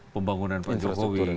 pembangunan pak jokowi